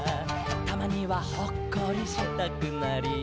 「たまにはほっこりしたくなり」